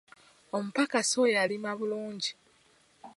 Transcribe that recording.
Omupakasi oyo alima bulungi.